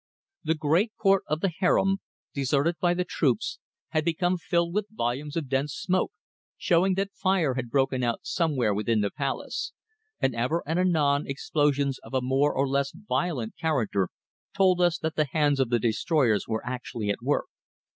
The great court of the harem, deserted by the troops, had become filled with volumes of dense smoke, showing that fire had broken out somewhere within the palace, and ever and anon explosions of a more or less violent character told us that the hands of the destroyers were actually at work.